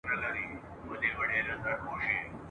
غړوي سترګي چي ویښ وي پر هر لوري !.